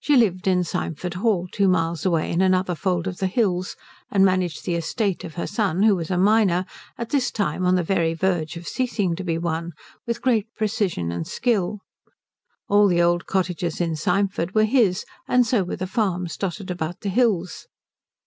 She lived at Symford Hall, two miles away in another fold of the hills, and managed the estate of her son who was a minor at this time on the very verge of ceasing to be one with great precision and skill. All the old cottages in Symford were his, and so were the farms dotted about the hills.